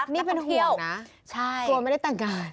นี่เป็นห่วงนะต้องเที่ยวใช่ห่วงไม่ได้ตั้งการ